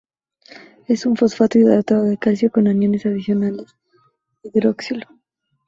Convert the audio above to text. Es un fosfato hidratado de calcio con aniones adicionales hidroxilo.